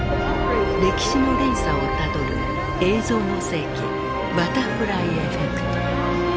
歴史の連鎖をたどる「映像の世紀バタフライエフェクト」。